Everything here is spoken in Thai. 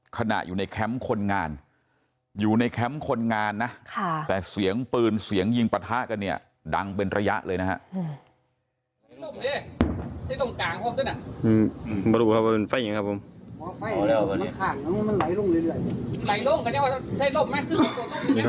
ขณะอยู่ในแคมป์คนงานอยู่ในแคมป์คนงานนะแต่เสียงปืนเสียงยิงปะทะกันเนี่ยดังเป็นระยะเลยนะฮะ